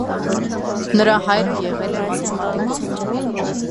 Նրա հայրը եղել է մաթեմատիկոս։